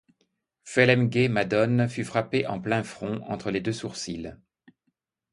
Phelem-ghe-madone fut frappé en plein front entre les deux sourcils.